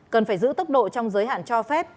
cần phải giữ tốc độ trong giới hạn cho phép